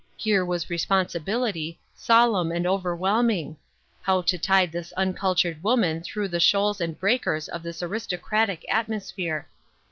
Here was responsibility, solemn and overwhelming — how to tide this uncultured woman through the shoals and breakers of this aristocratic atmosphere.